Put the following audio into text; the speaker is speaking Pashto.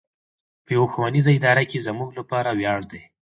په يوه ښوونيزه اداره کې زموږ لپاره وياړ دی.